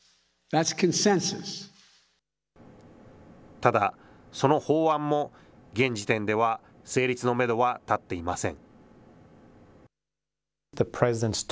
ただ、その法案も現時点では成立のメドは立っていません。